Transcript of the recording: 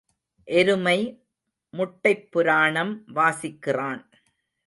எருமை முட்டைப் புராணம் வாசிக்கிறான்.